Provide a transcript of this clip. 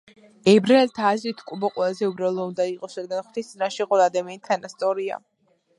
ებრაელთა აზრით, კუბო ძალზე უბრალო უნდა იყოს, რადგან ღვთის წინაშე ყველა ადამიანი თანასწორია.